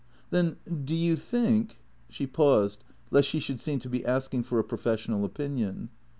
" Then, do you think " She paused, lest she should seem to be asking for a profes sional opinion.